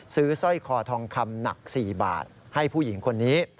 สร้อยคอทองคำหนัก๔บาทให้ผู้หญิงคนนี้